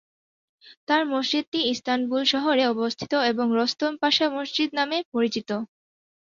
তার মসজিদটি ইস্তানবুল শহরে অবস্থিত এবং রুস্তম পাশা মসজিদ নামে পরিচিত।